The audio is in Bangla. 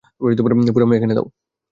পুনাম, এখানে দাও।